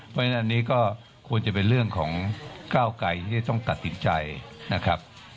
เพราะฉะนั้นอันนี้ก็ควรจะเป็นเรื่องของก้าวไกรที่จะต้องตัดสินใจนะครับ